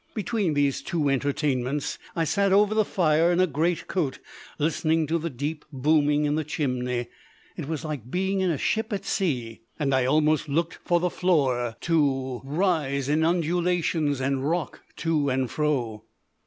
Between these two entertainments I sat over the fire in a great coat, listening to the deep booming in the chimney. It was like being in a ship at sea, and I almost looked for the floor to rise in undulations and rock to and fro.